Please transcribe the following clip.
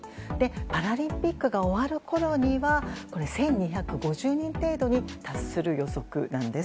パラリンピックが終わるころには１２５０人程度に達する予測なんです。